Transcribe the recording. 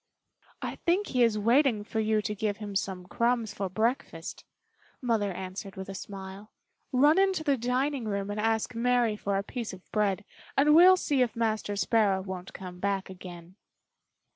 "I think he is waiting for you to give him some crumbs for breakfast," Mother answered with a smile. "Run into the dining room and ask Mary for a piece of bread and we will see if Master Sparrow won't come back again."